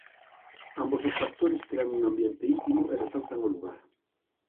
Ambos os factores crean un ambiente íntimo e resaltan o lugar.